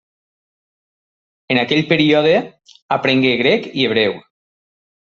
En aquell període aprengué grec i hebreu.